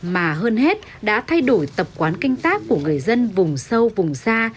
mà hơn hết đã thay đổi tập quán canh tác của người dân vùng sâu vùng xa